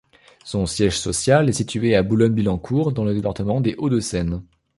Son siège social est situé à Boulogne-Billancourt dans le département des Hauts-de-Seine.